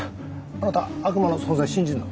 あなた悪魔の存在信じんの？